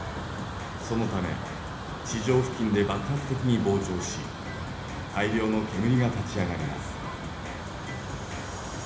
そのため地上付近で爆発的に膨張し大量の煙が立ち上がります。